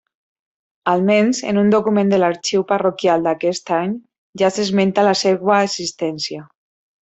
Almenys en un document de l'Arxiu Parroquial d'aquest any ja s'esmenta la seva existència.